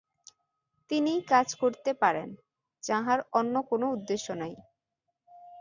তিনিই কাজ করিতে পারেন, যাঁহার অন্য কোন উদ্দেশ্য নাই।